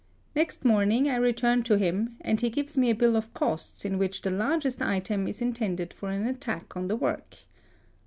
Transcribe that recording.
Next morning I return to him, and he gives me a bill of costs, in which the largest item is intended for an attack on the work.